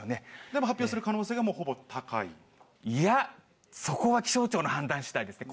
でも発表する可能性がほぼ高いや、そこは気象庁の判断しだいですね。